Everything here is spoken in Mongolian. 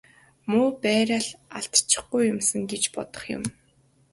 Муу байраа л алдчихгүй юмсан гэж бодох юм.